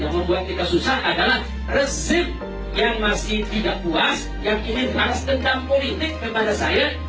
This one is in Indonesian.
yang membuat kita susah adalah resep yang masih tidak puas yang ikhlas tentang politik kepada saya